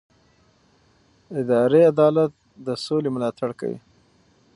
اداري عدالت د سولې ملاتړ کوي